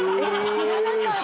知らなかった！